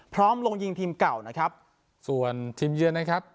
พร้อมลงยิงทีมเก่านะครับส่วนทีมเยือนนะครับ